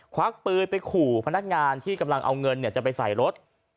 ควักปืนไปขู่พนักงานที่กำลังเอาเงินจะไปใส่รถ